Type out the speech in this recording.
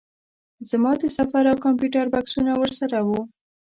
زما د سفر او کمپیوټر بکسونه ورسره وو.